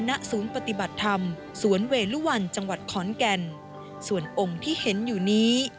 ณศูนย์ปฏิบัติธรรมสวนเวลุวันจังหวัดขอนแก่นส่วนองค์ที่เห็นอยู่นี้